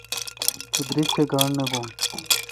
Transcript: تو درگ تھ گاݨڈ نہ بھو۔